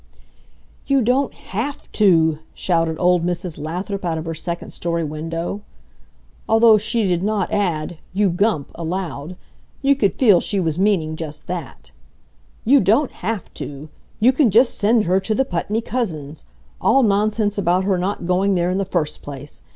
"You don't HAVE to!" shouted old Mrs. Lathrop out of her second story window. Although she did not add "You gump!" aloud, you could feel she was meaning just that. "You don't have to! You can just send her to the Putney cousins. All nonsense about her not going there in the first place.